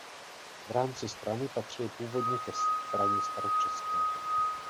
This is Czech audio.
V rámci strany patřil původně ke straně staročeské.